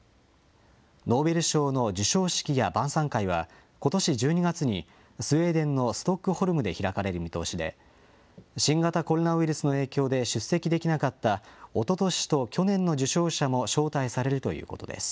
ノーベル賞の授賞式や晩さん会は、ことし１２月にスウェーデンのストックホルムで開かれる見通しで、新型コロナウイルスの影響で出席できなかったおととしと去年の受賞者も招待されるということです。